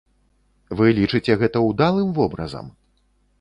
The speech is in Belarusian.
Вы лічыце гэта ўдалым вобразам?